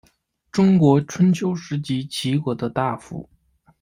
中国春秋时期齐国的大夫。